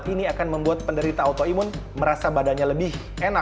obat ini akan membuat penderita autoimun merasa badannya lebih enak tanpa keluhan akar